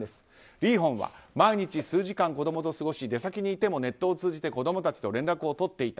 リーホンは毎日数時間子供と過ごし出先にいてもネットを通じて子供たちと連絡を取っていた。